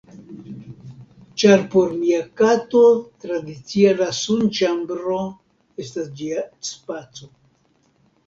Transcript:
ĉar por mia kato tradicie la sunĉambro estas ĝia spaco.